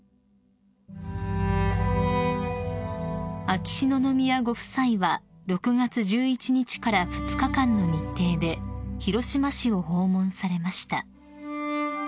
［秋篠宮ご夫妻は６月１１日から２日間の日程で広島市を訪問されました］